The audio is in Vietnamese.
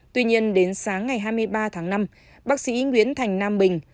tuy nhiên đến sáng ngày hai mươi ba tháng năm bác sĩ nguyễn thành nam bình